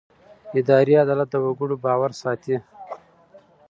اداري عدالت د وګړو باور ساتي.